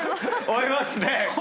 追えますね。